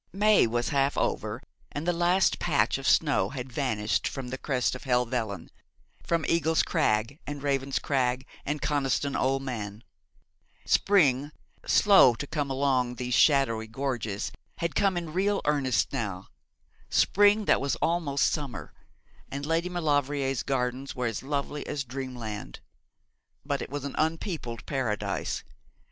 May was half over and the last patch of snow had vanished from the crest of Helvellyn, from Eagle's Crag and Raven's Crag, and Coniston Old Man. Spring slow to come along these shadowy gorges had come in real earnest now, spring that was almost summer; and Lady Maulevrier's gardens were as lovely as dreamland. But it was an unpeopled paradise.